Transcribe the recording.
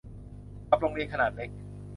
กับโรงเรียนขนาดเล็ก